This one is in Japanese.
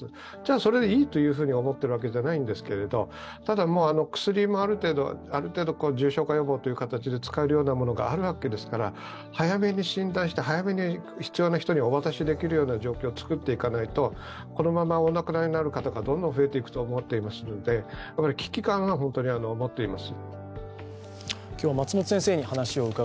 それでいいと思っているわけではないんですけれども、ただ、薬もある程度重症化予防ということで使えるようなものがあるわけですから早めに診断して早めに必要な人にお渡しできるような状況を作っていかないと、このままお亡くなりになる方がどんどん増えていくと思っていますので危機感は本当に持っています。